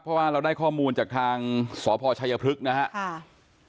เพราะว่าเราได้ข้อมูลจากทางสพชัยพฤกษ์นะครับ